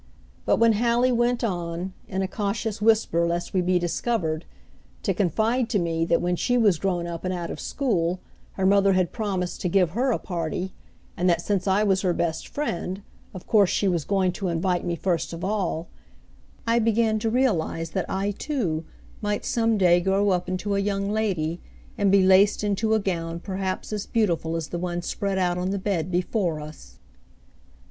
But when Hallie went on, in a cautious whisper lest we be discovered, to confide to me that when she was grown up and out of school her mother had promised to give her a party, and that, since I was her best friend, of course she was going to invite me first of all, I began to realize that I, too, might some day grow up into a young lady, and be laced into a gown perhaps as beautiful as the one spread out on the bed before us.